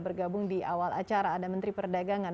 bergabung di awal acara ada menteri perdagangan